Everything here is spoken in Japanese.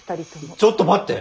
ちょっと待って！